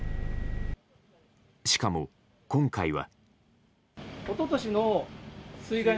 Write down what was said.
しかも、今回は。